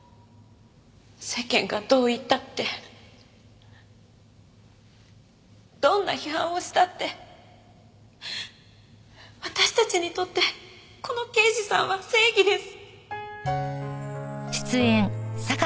世間がどう言ったってどんな批判をしたって私たちにとってこの刑事さんは正義です！